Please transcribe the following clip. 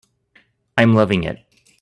I'm loving it.